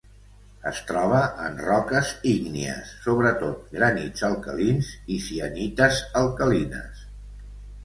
Es troba en roques ígnies, sobretot granits alcalins i sienites alcalines.